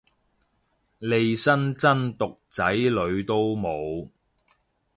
利申真毒仔女都冇